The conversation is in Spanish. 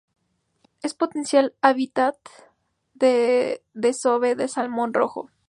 Es potencial hábitat de desove del salmón rojo.